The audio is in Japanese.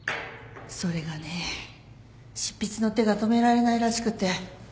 それがね執筆の手が止められないらしくて。